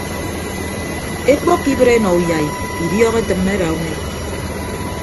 Ekpọkkọ ibịt enọ uyai idiọk etịmme ada unek.